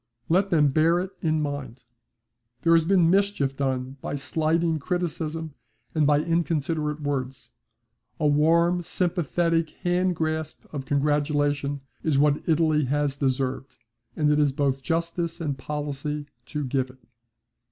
Let them bear it in mind. There has been mischief done by slighting criticism and by inconsiderate words. A warm sympathetic hand grasp of congratulation is what Italy has deserved, and it is both justice and policy to give it.